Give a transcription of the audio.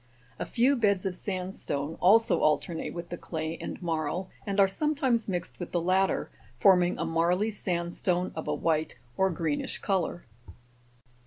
A few beds of sand stone also alternate with the clay and marl, and are sometimes mixed with the latter, forming a marly sandstone of a white or greenish colour.